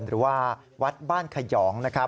หรือว่าวัดบ้านขยองนะครับ